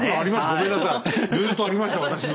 ごめんなさいずっとありました私の。